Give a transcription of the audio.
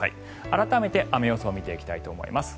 改めて雨予想を見ていきたいと思います。